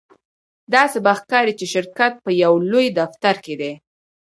داسې به ښکاري چې شرکت په یو لوی دفتر کې دی